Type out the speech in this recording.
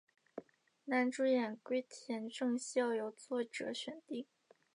男主演洼田正孝由作者选定。